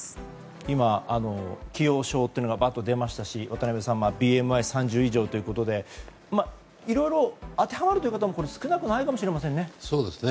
今、既往症というのがばっと出ましたし渡辺さんＢＭＩ、３０以上ということで当てはまるという方も少なくないかもしれませんね。